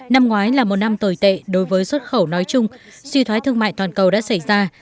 năm ngoái là một năm tồi tệ đối với xuất khẩu nói chung suy thoái thương mại toàn cầu đã xảy ra